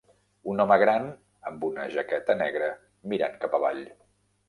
Un home gran amb una jaqueta negra mirant cap avall.